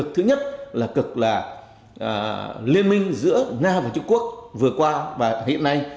thứ nhất là cực là liên minh giữa nga và trung quốc vừa qua và hiện nay